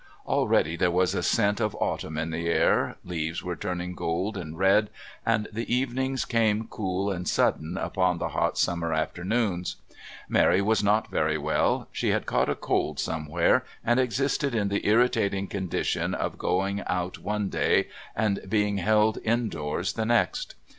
Already there was a scent of autumn in the air, leaves were turning gold and red, and the evenings came cool and sudden, upon the hot summer afternoons. Mary was not very well; she had caught a cold somewhere, and existed in the irritating condition of going out one day and being held indoors the next.